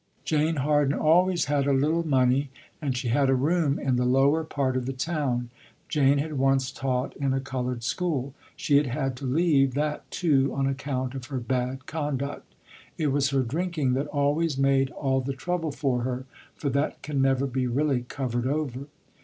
Jane Harden always had a little money and she had a room in the lower part of the town. Jane had once taught in a colored school. She had had to leave that too on account of her bad conduct. It was her drinking that always made all the trouble for her, for that can never be really covered over.